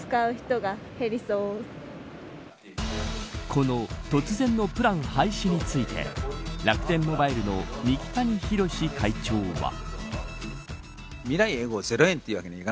この突然のプラン廃止について楽天モバイルの三木谷浩史会長は。